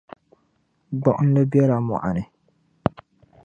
Gbuɣinli bela mɔɣu ni.